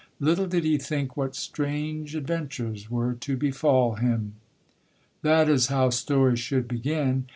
Little did he think what strange adventures were to befall him! That is how stories should begin.